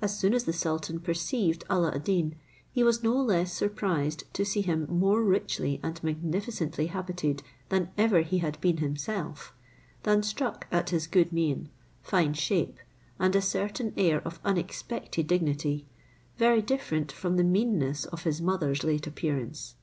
As soon as the sultan perceived Alla ad Deen, he was no less surprised to see him more richly and magnificently habited than ever he had been himself, than struck at his good mien, fine shape, and a certain air of unexpected dignity, very different from the meanness of his mother's late appearance.